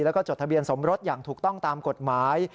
แล้วก็จดทะเบียนสมรสอย่างถูกต้องตามกฎหมาย